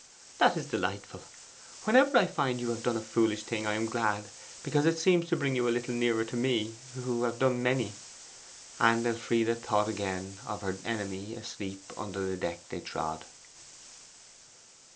'That is delightful. Whenever I find you have done a foolish thing I am glad, because it seems to bring you a little nearer to me, who have done many.' And Elfride thought again of her enemy asleep under the deck they trod.